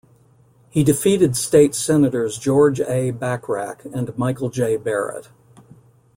He defeated State Senators George A. Bachrach and Michael J. Barrett.